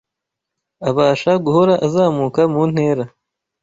Abasha guhora azamuka mu ntera.